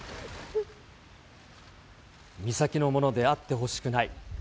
美咲のものであってほしくない。